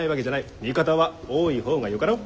味方は多い方がよかろう。